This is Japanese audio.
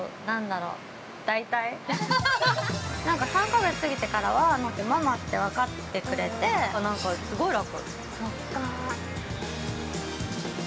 ◆３か月過ぎてからは、ママって分かってくれてすごい楽。